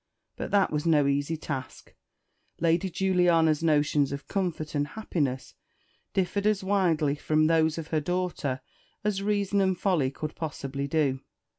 But that was no easy task. Lady Juliana's notions of comfort and happiness differed as widely from those of her daughter as reason and folly could possibly do.